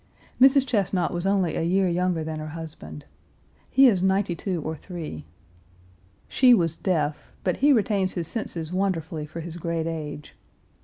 Mrs. Chesnut was only a year younger than her husband. He is ninety two or three. She was deaf; but he retains his senses wonderfully for his great age.